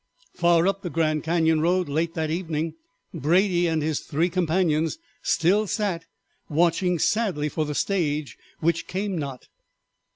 Far up the Grand Cañon road late that evening Brady and his three companions still sat watching sadly for the stage which came not.